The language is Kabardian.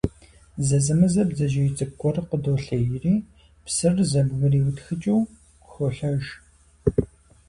Зэзэмызэ бдзэжьей цӀыкӀу гуэр къыдолъейри, псыр зэбгриутхыкӀыу, холъэж.